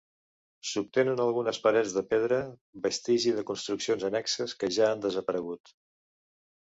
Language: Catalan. S'observen algunes parets de pedra, vestigi de construccions annexes que ja han desaparegut.